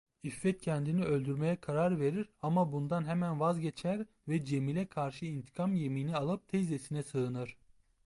İffet kendini öldürmeye karar verir ama bundan hemen vazgeçer ve Cemil'le karşı intikam yemini alıp teyzesine sığınır.